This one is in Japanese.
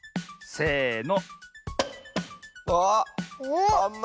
せの。